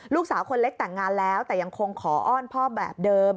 ลูกสาวคนเล็กแต่งงานแล้วแต่ยังคงขออ้อนพ่อแบบเดิม